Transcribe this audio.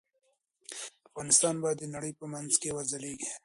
افغانستان به د نړۍ په منځ کې وځليږي.